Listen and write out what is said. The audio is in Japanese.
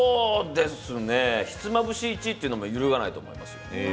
ひつまぶし１位というのは揺るがないと思います。